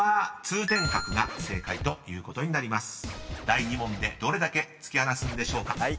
［第２問でどれだけ突き放すんでしょうか？］